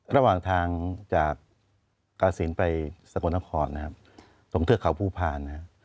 ระหว่างทางจากกาศิลป์ไปสกลนครนะครับตรงเทือกเขาภูพาลนะครับ